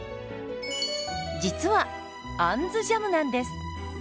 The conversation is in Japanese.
実は「あんずジャム」なんです。